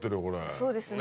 そうですね。